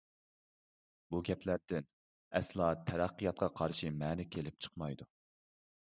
بۇ گەپلەردىن ئەسلا تەرەققىياتقا قارشى مەنە كېلىپ چىقمايدۇ.